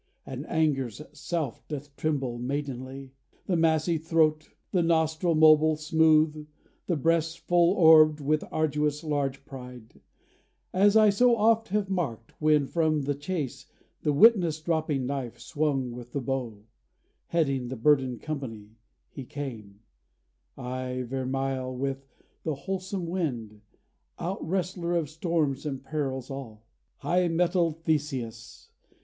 And anger's self doth tremble maidenly; The massy throat; the nostril mobile, smooth; The breast full orbed with arduous large pride, As I so oft have marked, when from the chase, The witness dropping knife swung with the bow, Heading the burdened company, he came, Aye vermeil with the wholesome wind, outwrestler Of storms and perils all. High mettled Theseus!